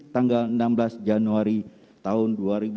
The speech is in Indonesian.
tanggal enam belas januari tahun dua ribu dua puluh